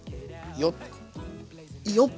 よっ！